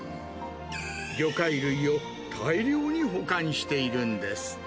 魚介類を大量に保管しているんです。